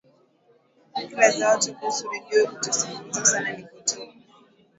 fikra za watu kuhusu redio kutosikilizwa sana ni potofu